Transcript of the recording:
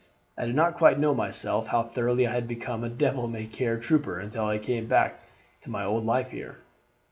I did not quite know myself how thoroughly I had become a devil may care trooper until I came back to my old life here.